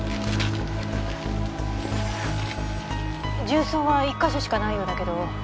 銃創は１か所しかないようだけど。